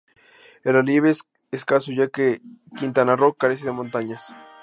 El relieve es escaso ya que Quintana Roo carece de montañas.